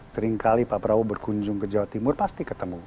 seringkali pak prabowo berkunjung ke jawa timur pasti ketemu